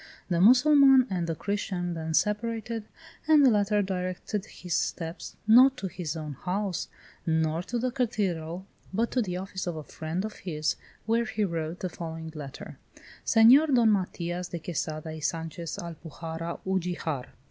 The Mussulman and the Christian then separated, and the latter directed his steps, not to his own house, nor to the cathedral, but to the office of a friend of his, where he wrote the following letter: "Senor Don Matias de Quesada y Sanchez, Alpujarra, Ugijar.